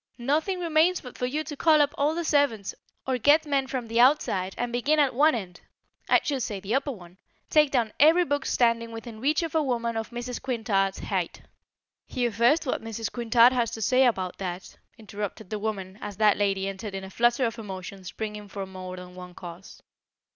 Nothing remains but for you to call up all the servants, or get men from the outside and, beginning at one end I should say the upper one take down every book standing within reach of a woman of Mrs. Quintard's height." "Hear first what Mrs. Quintard has to say about that," interrupted the woman as that lady entered in a flutter of emotion springing from more than one cause.